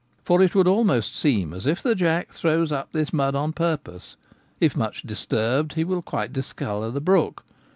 For it would almost seem as if the jack throws up this mud on purpose ; if much disturbed he will quite discolour the brook.